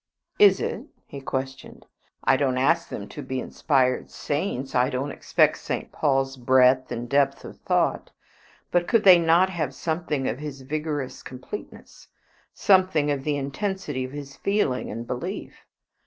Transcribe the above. "Is it?" he questioned. "I don't ask them to be inspired saints. I don't expect St. Paul's breadth and depth of thought. But could they not have something of his vigorous completeness, something of the intensity of his feeling and belief?